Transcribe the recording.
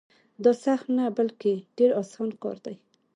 دا سخت نه بلکې ډېر اسان کار دی.